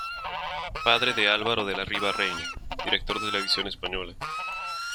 Padre de Álvaro de la Riva Reina, director de Televisión Española.